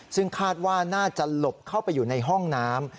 ซึ่งคาดว่าน่าจะหลบเข้าไปอยู่ในห้องน้ำ